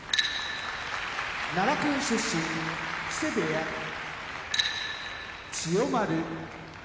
奈良県出身木瀬部屋千代丸